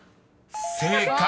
［正解。